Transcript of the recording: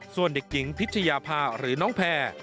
ส่วนเด็กหญิงพิชยาภาหรือน้องแพร่